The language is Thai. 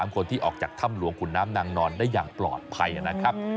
คนที่ออกจากถ้ำหลวงขุนน้ำนางนอนได้อย่างปลอดภัยนะครับ